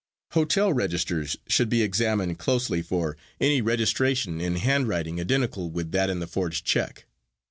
Hotel registers should be examined closely for any registration in handwriting identical with that in the forged check.